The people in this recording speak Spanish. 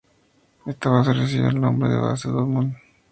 Esta base recibió el nombre de Base Dumont d'Urville.